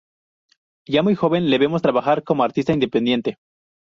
Ya muy joven, le vemos trabajar como artista independiente.